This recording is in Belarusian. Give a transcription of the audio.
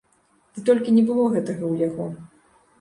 Ды толькі не было гэтага ў яго.